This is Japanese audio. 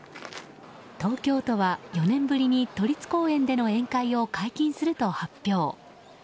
東京都は４年ぶりに都立公園での花見を解禁すると発表。